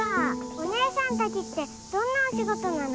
お姉さんたちってどんなお仕事なの？